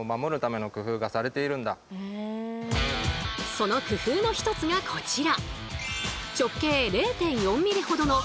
その工夫の一つがこちら。